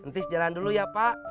tis jalan dulu ya pak